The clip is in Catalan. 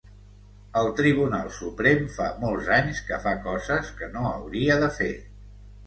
El Tribunal Suprem fa molts anys que fa coses que no hauria de fer.